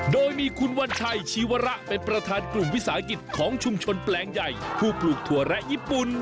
โดยมีคุณวัญชัยชีวระเป็นประธานกลุ่มวิสาหกิจของชุมชนแปลงใหญ่ผู้ปลูกถั่วแระญี่ปุ่น